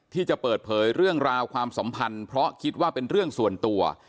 ที่จะเปิดเผยเรื่องราวความสัมพันธ์เพราะคิดว่าเป็นเรื่องส่วนตัว